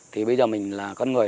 thì bây giờ mình là con người